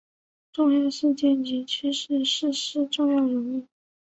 重要事件及趋势逝世重要人物